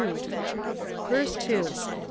Verse Two .....................